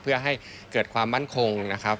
เพื่อให้เกิดความมั่นคงนะครับ